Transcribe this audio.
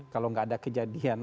kalau nggak ada kejadian